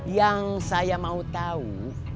yang saya mau tahu